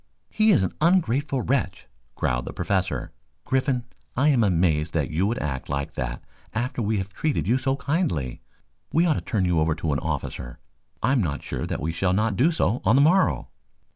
"He is an ungrateful wretch," growled the Professor. "Griffin, I am amazed that you should act like that after we have treated you so kindly. We ought to turn you over to an officer. I am not sure that we shall not do so on the morrow."